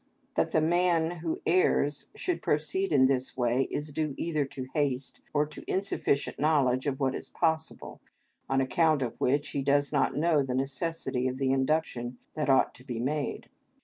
That the man who errs should proceed in this way is due either to haste, or to insufficient knowledge of what is possible, on account of which he does not know the necessity of the induction that ought to be made.